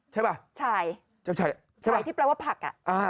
ใช่ใช่ใช่ป่ะใช่ที่แปลว่าผัก